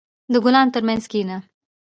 • د ګلانو ترمنځ کښېنه.